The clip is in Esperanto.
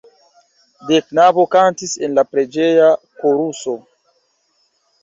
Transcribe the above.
De knabo kantis en la preĝeja koruso.